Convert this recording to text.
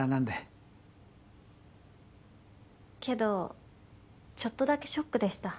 けどちょっとだけショックでした。